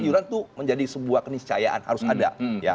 iuran itu menjadi sebuah keniscayaan harus ada